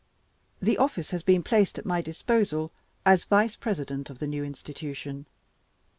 The office has been placed at my disposal, as vice president of the new Institution.